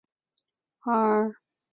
他是艺术运动的始创人。